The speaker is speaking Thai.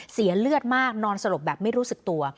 เสียเลือดมากนอนสลบแบบไม่รู้สึกตัว